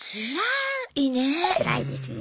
つらいですね。